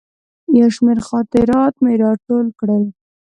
یو شمېر خاطرات مې راټول کړل.